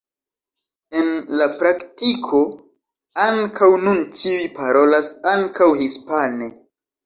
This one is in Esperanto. En la praktiko ankaŭ nun ĉiuj parolas ankaŭ hispane.